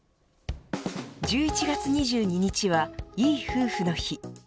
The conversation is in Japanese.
１１月２２日はいい夫婦の日。